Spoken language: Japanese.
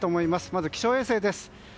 まずは気象衛星です。